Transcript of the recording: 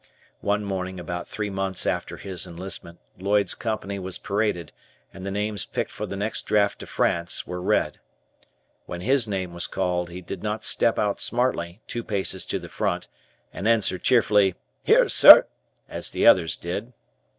One morning about three months after his enlistment, Lloyd's company was paraded, and the names picked for the next draft to France were read. When his name was called, he did not step out smartly, two paces to the front, and answer cheerfully, "Here, sir," as the others did.